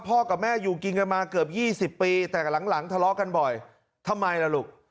กับแม่อยู่กินกันมาเกือบ๒๐ปีแต่หลังทะเลาะกันบ่อยทำไมล่ะลูก